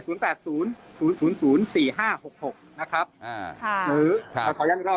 หรือขออย่างอีกรอบนะ๐๘๐๐๐๐๐๐๔๕๖๖นะครับ